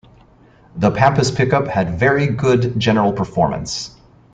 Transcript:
The Pampas pickup had very good general performance.